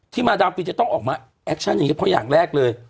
มาดามฟินจะต้องออกมาแอคชั่นอย่างนี้เพราะอย่างแรกเลย